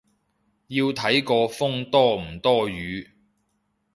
要睇個風多唔多雨